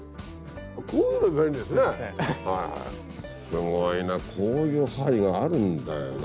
すごいなこういう針があるんだよな。